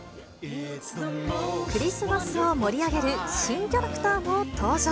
クリスマスを盛り上げる新キャラクターも登場。